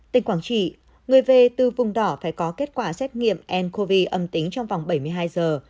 tỉnh quảng trị người về từ vùng đỏ phải có kết quả xét nghiệm ncov âm tính trong vòng bảy mươi hai giờ